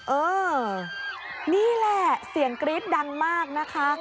เออนี่แหละเสียงกรี๊ดดังมากนะคะ